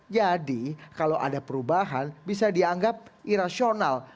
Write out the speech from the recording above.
jadi kalau ada perubahan bisa dianggap irasional